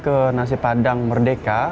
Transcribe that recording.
ke nasi padang merdeka